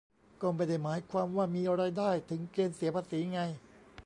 ก็ไม่ได้หมายความว่ามีรายได้ถึงเกณฑ์เสียภาษีไง